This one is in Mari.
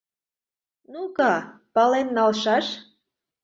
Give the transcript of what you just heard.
— Ну-ко, пален налшаш!